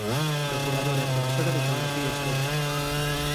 Procuradora e profesora de Xeografía e Historia.